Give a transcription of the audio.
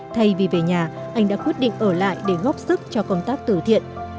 thay vì về nhà anh đã quyết định ở lại để góp sức cho công tác tử thiện